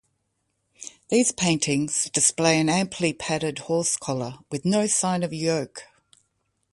These paintings display an amply padded horse collar with no sign of a yoke.